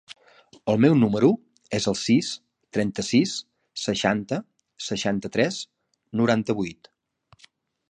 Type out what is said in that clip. El meu número es el sis, trenta-sis, seixanta, seixanta-tres, noranta-vuit.